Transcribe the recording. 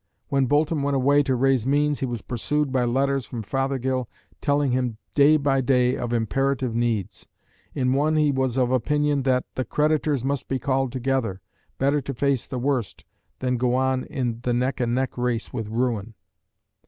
When Boulton went away to raise means, he was pursued by letters from Fothergill telling him day by day of imperative needs. In one he was of opinion that "the creditors must be called together; better to face the worst than to go on in the neck and neck race with ruin."